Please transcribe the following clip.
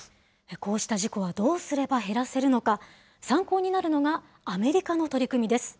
こうした事故はどうすれば減らせるのか、参考になるのが、アメリカの取り組みです。